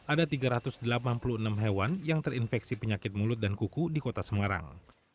ada tiga ratus delapan puluh enam hewan yang terinfeksi penyakit mulut dan kuku di kota semarang